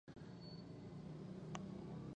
استمراري ماضي د دوام نخښه ده.